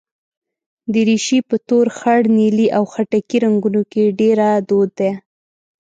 دریشي په تور، خړ، نیلي او خټکي رنګونو کې ډېره دود ده.